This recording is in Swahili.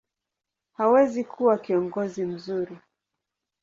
hawezi kuwa kiongozi mzuri.